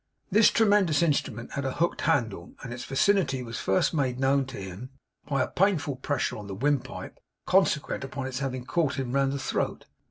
This tremendous instrument had a hooked handle; and its vicinity was first made known to him by a painful pressure on the windpipe, consequent upon its having caught him round the throat.